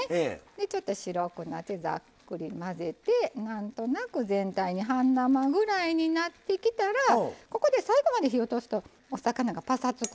ちょっと白くなってざっくり混ぜてなんとなく全体に半生ぐらいになってきたらここで最後まで火を通すとお魚がパサつく